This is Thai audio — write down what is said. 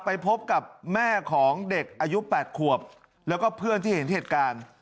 ไปพบกับแม่ของเด็กอายุ๘ขวบแล้วก็เพื่อนที่เห็นเหตุการณ์